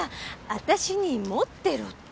私に持ってろって。